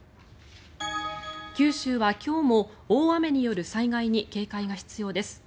九州は今日も大雨による災害に警戒が必要です。